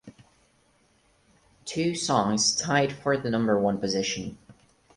Two songs tied for the number one position.